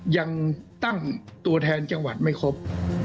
ยังตั้งตัวแทนจังหวัดไม่ครบ